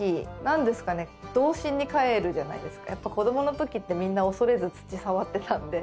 やっぱ子どものときってみんな恐れず土触ってたんで。